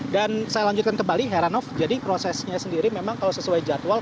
dan saya lanjutkan kembali heranov jadi prosesnya sendiri memang kalau sesuai jadwal